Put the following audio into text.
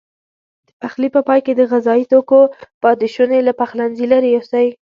د پخلي په پای کې د غذايي توکو پاتې شونې له پخلنځي لیرې یوسئ.